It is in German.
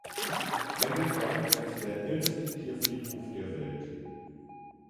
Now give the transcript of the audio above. Er gilt damit als der älteste Tierfriedhof der Welt.